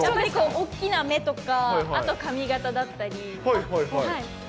大きな目とか、あと髪形だったり。